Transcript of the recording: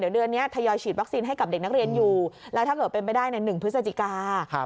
เดี๋ยวเดือนนี้ทยอยฉีดวัคซีนให้กับเด็กนักเรียนอยู่แล้วถ้าเกิดเป็นไปได้ใน๑พฤศจิกา